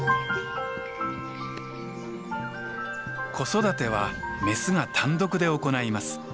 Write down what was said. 子育てはメスが単独で行います。